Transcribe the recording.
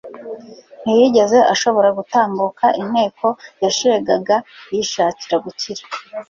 Ntiyigeze ashobora gutambuka inteko yashegaga yishakira gukira.